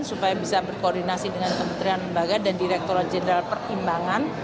supaya bisa berkoordinasi dengan kementerian lembaga dan direkturat jenderal perimbangan